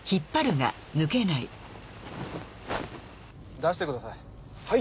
出してください。